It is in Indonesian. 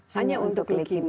hanya untuk leukemia